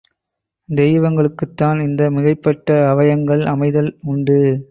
தெய்வங்களுக்குத்தான் இந்த மிகைப்பட்ட அவயங்கள் அமைதல் உண்டு.